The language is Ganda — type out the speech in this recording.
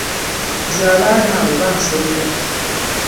Nze abo abaana bansobera.